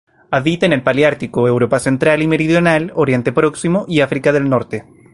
Habita en el paleártico: Europa central y meridional, Oriente Próximo y África del Norte.